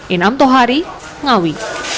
inam tohari ngawi